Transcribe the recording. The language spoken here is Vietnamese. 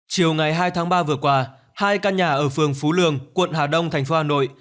chiều ngày hai tháng ba vừa qua hai căn nhà ở phường phú lương quận hà đông thành phố hà nội